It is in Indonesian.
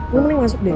lo mending masuk deh